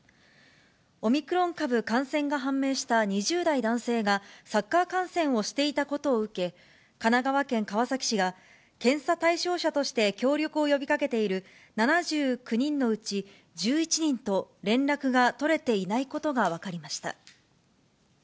オミクロン株感染が判明した２０代男性がサッカー観戦をしていたことを受け、神奈川県川崎市が、検査対象者として協力を呼びかけている７９人のうち１１人と連絡が取れていないことが分かりました。